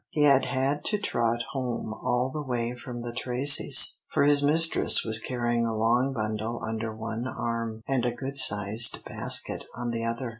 He had had to trot home all the way from the Tracys, for his mistress was carrying a long bundle under one arm, and a good sized basket on the other.